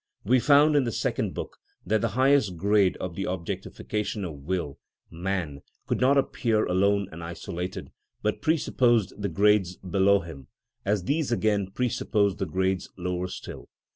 We found in the second book that the highest grade of the objectification of will, man, could not appear alone and isolated, but presupposed the grades below him, as these again presupposed the grades lower still.